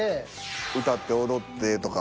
歌って踊ってとか。